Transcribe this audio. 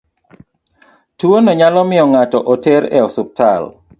Tuono nyalo miyo ng'ato oter e osiptal.